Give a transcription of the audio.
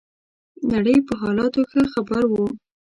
نړۍ په حالاتو ښه خبر وو.